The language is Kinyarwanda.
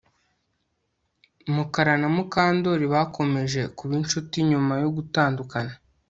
Mukara na Mukandoli bakomeje kuba inshuti nyuma yo gutandukana